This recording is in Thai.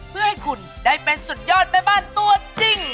เพื่อให้คุณได้เป็นสุดยอดแม่บ้านตัวจริง